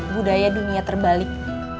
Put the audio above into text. budaya dunia terbalik